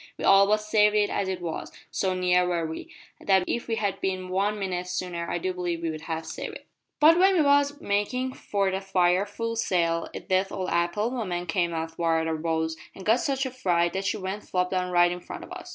We all but saved it as it was so near were we, that if we had bin one minute sooner I do believe we'd have saved it. "`But when we was makin' for that fire full sail, a deaf old apple woman came athwart our bows an got such a fright that she went flop down right in front of us.